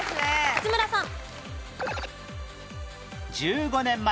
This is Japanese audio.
勝村さん。